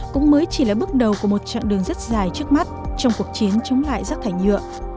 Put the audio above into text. cũng mới chỉ là bước đầu của một chặng đường rất dài trước mắt trong cuộc chiến chống lại rác thải nhựa